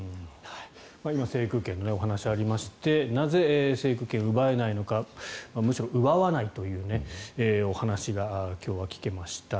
今制空権のお話がありましてなぜ、制空権を奪えないのかむしろ奪わないというお話が今日は聞けました。